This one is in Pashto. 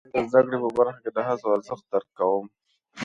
زه د زده کړې په برخه کې د هڅو ارزښت درک کوم.